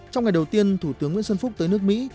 trong ngày đầu tiên thủ tướng nguyễn xuân phúc tới nước mỹ